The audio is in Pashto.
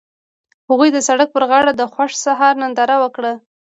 هغوی د سړک پر غاړه د خوښ سهار ننداره وکړه.